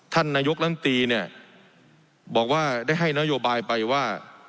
ท่านนายกลำตีเนี่ยบอกว่าได้ให้นโยบายไปว่า